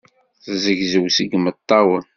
Tezzegzew seg yimeṭṭawen.